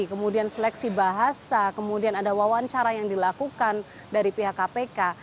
kemudian seleksi bahasa kemudian ada wawancara yang dilakukan dari pihak kpk